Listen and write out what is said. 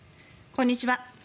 こんにちは。